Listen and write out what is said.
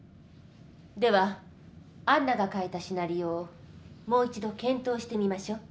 では杏奈が書いたシナリオをもう一度検討してみましょう。